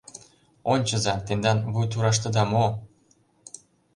Ончыза: тендан вуй тураштыда мо?